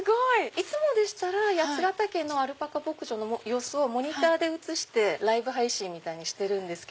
いつもでしたら八ヶ岳のアルパカ牧場の様子をモニターで映してライブ配信みたいにしてるんです。